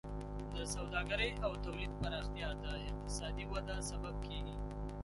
د سوداګرۍ او تولید پراختیا د اقتصادي وده سبب کیږي.